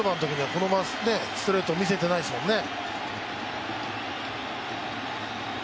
このストレートを見せていないですもんね。